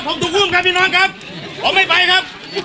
ผมถูกอุ้มครับพี่น้องครับผมไม่ไปครับสั่งอุ้มผมแล้วครับ